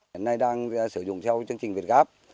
hiện nay đang sử dụng theo chương trình việt gáp